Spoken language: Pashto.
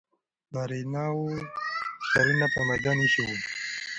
نارینه و سرونه پر میدان ایښي وو.